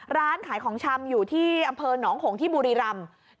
ร้านขายของชำอยู่ที่อำเภอหนองหงที่บุรีรำ